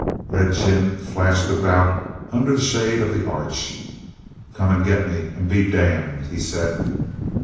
Red Jim flashed about under the shade of the arch. "Come get me, and be damned," he said.